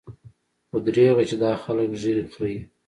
خو درېغه چې دا خلق ږيرې خريي.